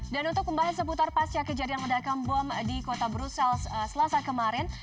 dan untuk pembahasan seputar pasca kejadian ledakan bom di kota brussel selasa kemarin